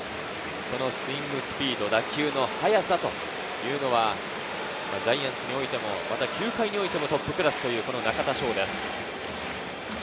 スイングスピード、打球の速さというのはジャイアンツにおいても球界においてもトップクラスの中田翔です。